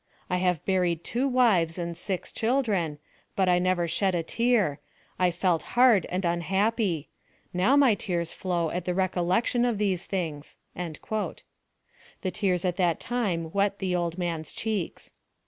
I have buried two wives and six children, but 1 nevci shed a tear —I felt hard and unhappy — now my tears flow at the recollection of these thino^s." The tears at that time wet the old man's cheeks.